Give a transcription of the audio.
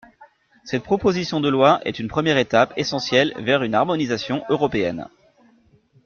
Cette proposition de loi est une première étape essentielle vers une harmonisation européenne.